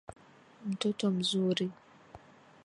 Mtoto mzuri.